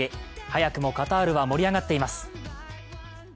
早くもカタールには盛り上がっています。